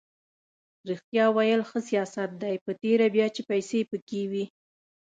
ریښتیا ویل ښه سیاست دی په تېره بیا چې پیسې پکې وي.